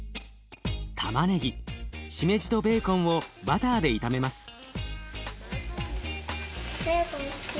たまねぎしめじとベーコンをバターで炒めます。